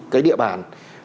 cái địa bàn